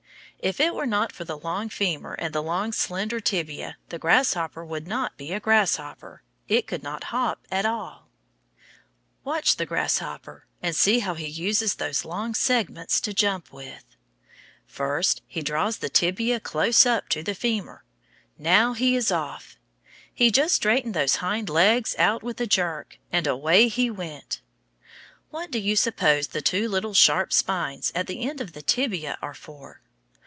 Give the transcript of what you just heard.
If it were not for the long femur and the long, slender tibia, the grasshopper would not be a grasshopper it could not hop at all. Watch the grasshopper, and see how he uses those long segments to jump with. First he draws the tibia close up to the femur now he is off! He just straightened those long hind legs out with a jerk, and away he went! What do you suppose the two little sharp spines at the end of the tibia are for?